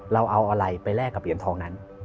เราเอาอะไรไปแลกกับเหรียญทองนั้น